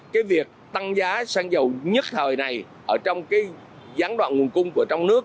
cái việc tăng giá sang dầu nhất thời này ở trong cái gián đoạn nguồn cung của trong nước